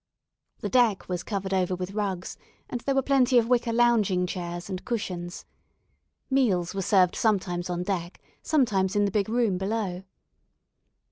The deck was covered over with rugs, and there were plenty of wicker lounging chairs and cushions. Meals were served sometimes on deck; sometimes in the big room below.